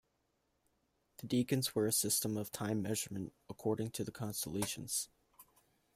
The decans were a system of time measurement according to the constellations.